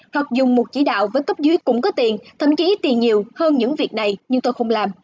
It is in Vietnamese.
hoặc dùng một chỉ đạo với cấp dưới cũng có tiền thậm chí tiền nhiều hơn những việc này nhưng tôi không làm